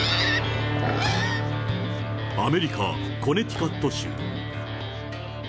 アメリカ・コネティカット州。